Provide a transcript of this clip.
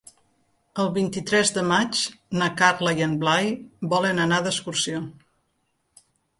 El vint-i-tres de maig na Carla i en Blai volen anar d'excursió.